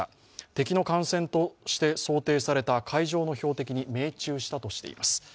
敵の艦船として想定された海上の標的に命中したとしています。